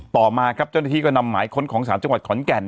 ต่อมาครับเจ้าหน้าที่ก็นำหมายค้นของสารจังหวัดขอนแก่น